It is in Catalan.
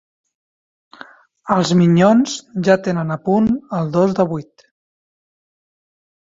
Els Minyons ja tenen a punt el dos de vuit